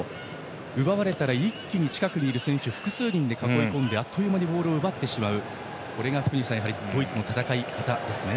奪われたら一気に近くにいる選手複数人で囲い込んであっという間にボールを奪ってしまうというのがドイツの戦い方ですね。